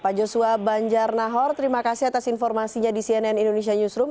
pak joshua banjar nahor terima kasih atas informasinya di cnn indonesia newsroom